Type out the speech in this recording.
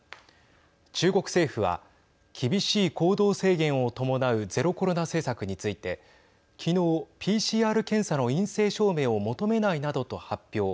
中国政府は厳しい行動制限を伴うゼロコロナ政策について昨日ＰＣＲ検査の陰性証明を求めないなどと発表。